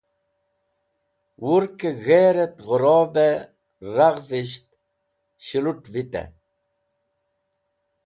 Wurkẽg̃herẽt ghẽrobẽ raghzẽs̃ht shelut̃ vitẽ.